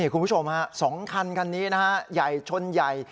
คุณผู้ชมสองคันคันนี้ไยชนไย